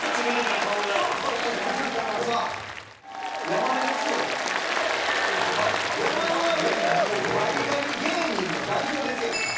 山根はいったらもうガリガリ芸人の代表ですやんか。